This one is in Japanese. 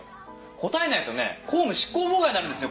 答えないとね公務執行妨害になるんですよ